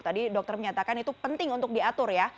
tadi dokter menyatakan itu penting untuk diatur ya